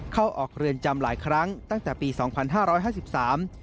เข้าออกเรือนจำหลายครั้งตั้งแต่ปีสองพันห้าร้อยห้าสิบสาม